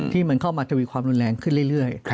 ที่มันเข้ามาทวีความรุนแรงขึ้นเรื่อย